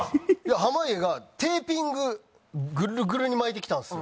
濱家がテーピンググルグルに巻いてきたんですよ。